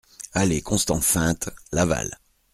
Allée Constant Feinte, Laval